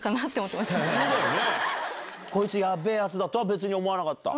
こいつヤベェヤツだ！とは別に思わなかった？